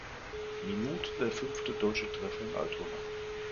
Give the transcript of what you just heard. Minute der fünfte deutsche Treffer in Altona.